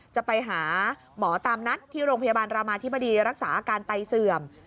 จะไปหาหมอตามนัดที่โรงพยาบาลรามาธิบดีรักษาอาการไตเสื่อม